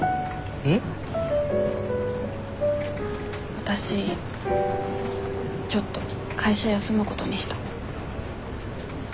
わたしちょっと会社休むことにした。